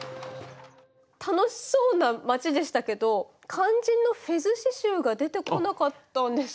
楽しそうな街でしたけど肝心のフェズ刺しゅうが出てこなかったんですけど。